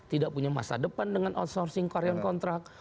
tidak punya masa depan dengan outsourcing karyawan kontrak